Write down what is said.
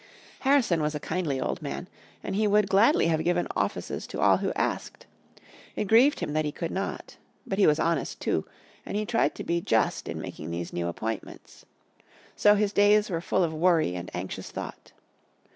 Harrison was a kindly old man, and he would gladly have given offices to all who asked. It grieved him that he could not. But he was honest, too, and he tried to be just in making these new appointments. So his days were full of worry and anxious thought.